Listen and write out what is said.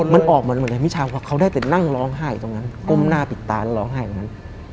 มันออกมาเหมือนกันมิชาว่าเขาได้แต่นั่งร้องไห้อยู่ตรงนั้นก้มหน้าปิดตาแล้วร้องไห้ตรงนั้น